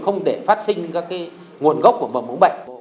không để phát sinh các nguồn gốc của mỗi bệnh